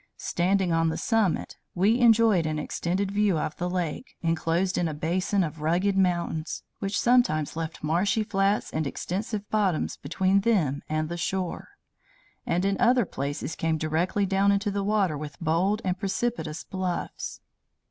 Standing on the summit, we enjoyed an extended view of the lake, inclosed in a basin of rugged mountains, which sometimes left marshy flats and extensive bottoms between them and the shore, and in other places came directly down into the water with bold and precipitous bluffs.